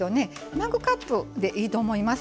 マグカップでいいと思います。